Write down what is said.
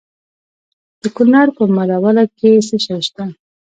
د کونړ په مروره کې څه شی شته؟